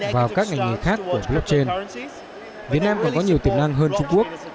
vào các ngành nghề khác của blockchain việt nam còn có nhiều tiềm năng hơn trung quốc